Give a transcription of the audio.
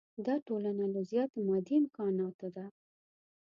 دا ټولنه له زیاتو مادي امکاناتو ده.